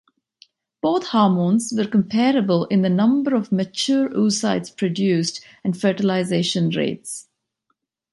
Both hormones were comparable in the number of mature oocytes produced and fertilization rates.